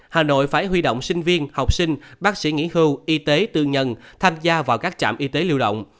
hà nội phải huy động sinh viên học sinh bác sĩ nghỉ hưu y tế tư nhân tham gia vào các trạm y tế lưu động